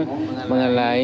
dan juga mengenai